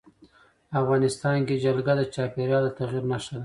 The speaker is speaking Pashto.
افغانستان کې جلګه د چاپېریال د تغیر نښه ده.